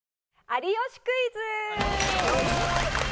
『有吉クイズ』！